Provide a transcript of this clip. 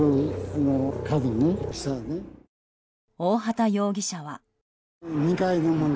大畑容疑者は。